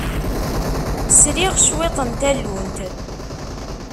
Sriɣ cwiṭ n tallunt.